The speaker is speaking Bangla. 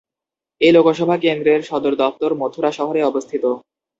এই লোকসভা কেন্দ্রের সদর দফতর মথুরা শহরে অবস্থিত।